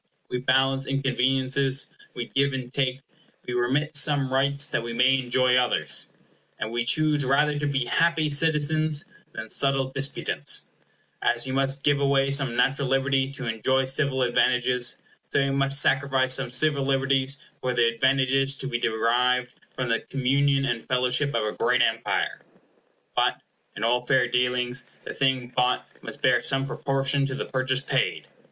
We balance inconveniences; we give and take; we remit some rights, that we may enjoy others; and we choose rather to be happy citizens than subtle disputants. As we must give away some natural liberty to enjoy civil advantages, so we must sacrifice some civil liberties for the advantages to be derived from the communion and fellowship of a great empire. But, in all fair dealings, the thing bought must bear some proportion to the purchase paid.